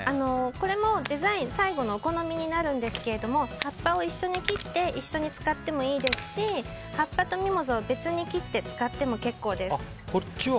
これもデザイン最後のお好みになるんですが葉っぱを一緒に切って一緒に使ってもいいですし葉っぱとミモザを別に切って使っても結構です。